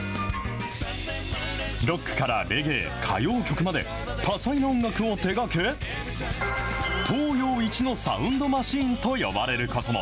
ロックからレゲエ、歌謡曲まで、多彩な音楽を手がけ、東洋一のサウンドマシーンと呼ばれることも。